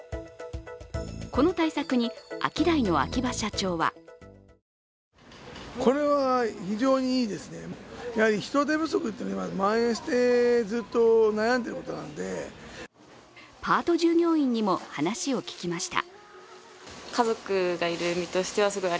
この対策にアキダイの秋葉社長はパート従業員にも話を聞きました。